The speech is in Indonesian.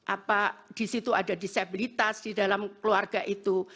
apa di situ ada disabilitas di dalam keluarga itu